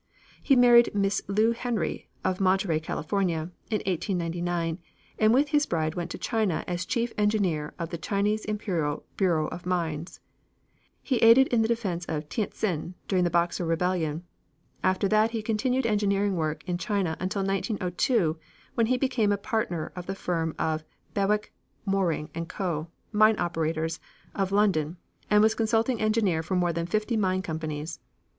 He married Miss Lou Henry, of Monterey, California, in 1899, and with his bride went to China as chief engineer of the Chinese Imperial Bureau of Mines. He aided in the defense of Tientsin during the Boxer Rebellion. After that he continued engineering work in China until 1902, when he became a partner of the firm of Bewick, Moreing & Co., mine operators, of London, and was consulting engineer for more than fifty mining companies.